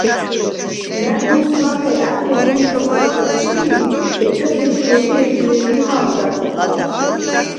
ნა̈ბოზს ლახე ა̈თუ გუნ ხოჭჭყჷნე ჩი̄, ეჯას ეში̄-ეში̄ ეჯ ლე̄თი ჰა̄ვდა̈რ ხოხალ